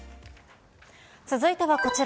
続いてはこちら。